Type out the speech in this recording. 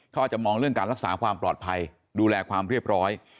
เขาอาจจะมองเรื่องการรักษาความปลอดภัยดูแลความเรียบร้อย